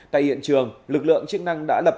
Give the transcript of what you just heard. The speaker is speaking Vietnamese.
tại hiện trường lực lượng chức năng đã lập